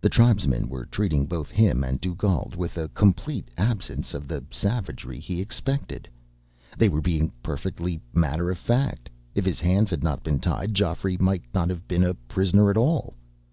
The tribesmen were treating both him and Dugald with a complete absence of the savagery he expected. They were being perfectly matter of fact. If his hands had not been tied, Geoffrey might not have been a prisoner at all.